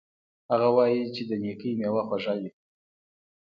هغه وایي چې د نیکۍ میوه خوږه وي